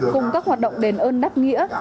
cùng các hoạt động đền ơn đáp nghĩa